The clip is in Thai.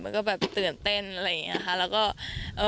มันก็แบบตื่นเต้นอะไรอย่างนี้ค่ะแล้วก็